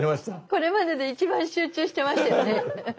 これまでで一番集中してましたよね。